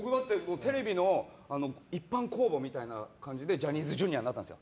僕、テレビの一般公募みたいな感じでジャニーズＪｒ．になったんです。